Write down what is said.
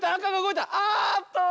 あっと！